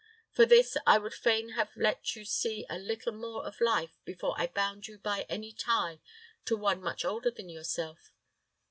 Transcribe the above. For this, I would fain have let you see a little more of life before I bound you by any tie to one much older than yourself.